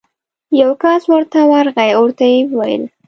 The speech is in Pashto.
یو کس ورته ورغی او ورته ویې ویل: